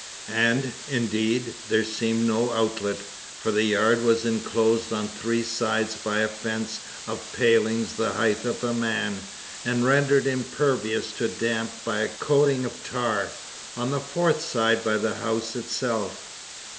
And, indeed, there seemed no outlet, for the yard was enclosed on three sides by a fence of palings the height of a man, and rendered impervious to damp by a coating of tar; on the fourth side by the house itself.